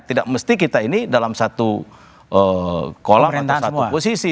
tidak mesti kita ini dalam satu kolam atau satu posisi